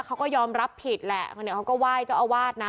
เขาก็ยอมรับผิดแหละเขาก็ไหว้เจ้าอาวาสนะ